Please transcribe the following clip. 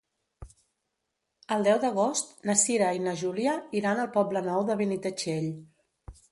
El deu d'agost na Cira i na Júlia iran al Poble Nou de Benitatxell.